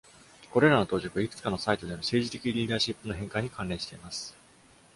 これらの到着は、いくつかのサイトでの政治的リーダーシップの変化に関連しています。